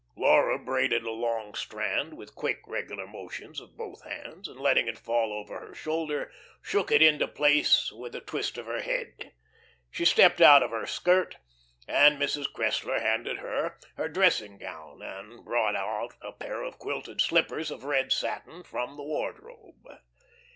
Laura braided a long strand, with quick, regular motions of both hands, and letting it fall over her shoulder, shook it into place with a twist of her head. She stepped out of her skirt, and Mrs. Cressler handed her her dressing gown, and brought out a pair of quilted slippers of red satin from the wardrobe.